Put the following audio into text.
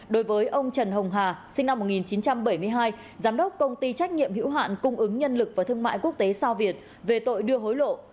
đối với ông trần hồng hà sinh năm một nghìn chín trăm bảy mươi hai giám đốc công ty trách nhiệm hữu hạn cung ứng nhân lực và thương mại quốc tế sao việt về tội đưa hối lộ